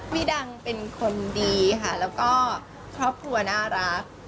พี่ดังเป็นคนดีค่ะค็อปมัวน่ารัก